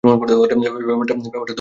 ব্যাপারটা আমরা রিপোর্ট করবো।